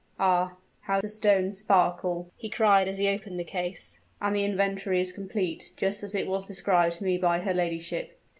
Ah, how the stones sparkle!" he cried, as he opened the case. "And the inventory is complete, just as it was described to me by her ladyship.